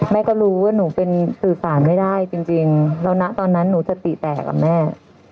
แม่ก็รู้ว่าหนูเป็นสื่อสารไม่ได้จริงแล้วนะตอนนั้นหนูสติแตกกับแม่